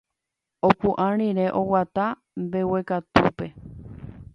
Opu'ã rire oguata mbeguekatúpe.